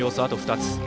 あと２つ。